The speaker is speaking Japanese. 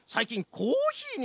コーヒー！？